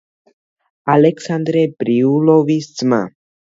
ალექსანდრე ბრიულოვის ძმა.